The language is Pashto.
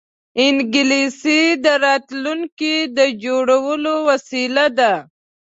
انګلیسي د راتلونکې د جوړولو وسیله ده